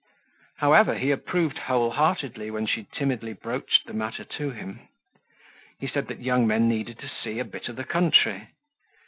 However he approved whole heartedly when she timidly broached the matter to him. He said that young men needed to see a bit of the country.